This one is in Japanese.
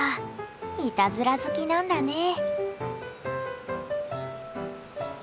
いたずら好きなんだねえ。